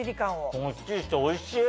もっちりしておいしい！